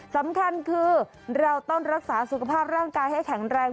สำคัญคือเราต้องรักษาสุขภาพร่างกายให้แข็งแรง